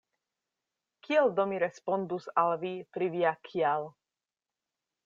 Kiel do mi respondus al vi pri via “kial”?